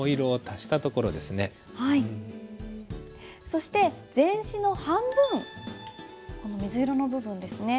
そして全紙の半分この水色の部分ですね。